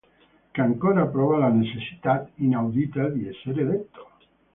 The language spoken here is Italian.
Che ancora prova la necessità inaudita di essere detto".